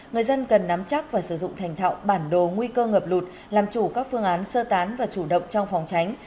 người dân cần nắm chắc và sử dụng thành thạo bản đồ nguy cơ ngập lụt làm chủ các phương án sơ tán và chủ động trong phòng tránh